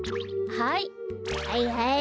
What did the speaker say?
はいはい！